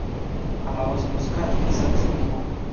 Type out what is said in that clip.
Amaba su música, y quizás a sí mismo.